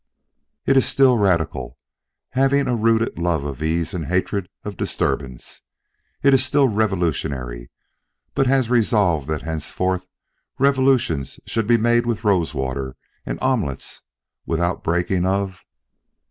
It is still Radical, having a rooted love of ease and hatred of disturbance. It is still revolutionary, but has resolved that henceforth revolutions shall be made with rose water, and omelettes without breaking of....